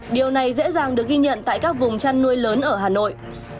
điều này dễ dàng được ghi nhận tại các vùng chăn nuôi lớn ở hà nội